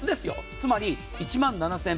つまり、１万７０００円